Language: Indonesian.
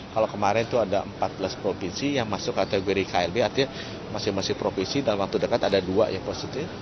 kalau kemarin itu ada empat belas provinsi yang masuk kategori klb artinya masing masing provinsi dalam waktu dekat ada dua yang positif